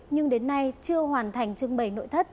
nhưng đến nay chưa hoàn thành trưng bày nội thất